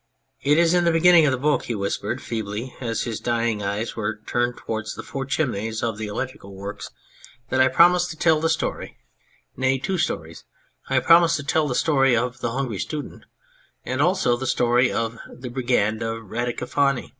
" It is in the beginning of the book," he whispered feebly as his dying eyes were turned towards the four chimneys of the electrical works, " that I prom 174 The Hungry Student ised to tell the story nay, two stories ; I promised to tell the story of The Hungry Student, and also the story of the Brigand of Radicofani.